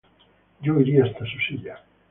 Yo iría hasta su silla.